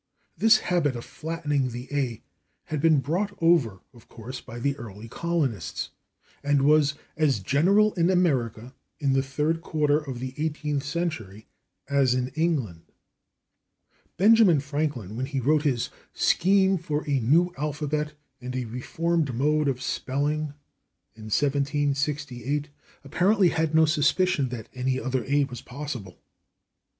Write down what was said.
This habit of flatting the /a/ had been brought over, of course, by the early colonists, and was as general in America, in the third quarter of the eighteenth century, as in England. Benjamin Franklin, when he wrote his "Scheme for a New Alphabet and a Reformed Mode of Spelling," in 1768, apparently had no suspicion that any other /a/ was possible.